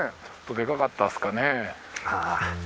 ちょっとでかかったっすかね。